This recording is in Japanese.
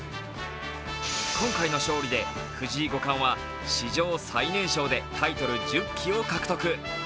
今回の勝利で藤井五冠は史上最年少でタイトル１０期を獲得。